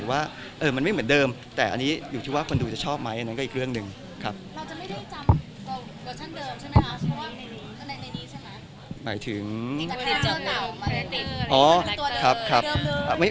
ว่ามันไม่เหมือนเดิมแต่อันนี้อยู่ที่ว่าคนดูจะชอบไหม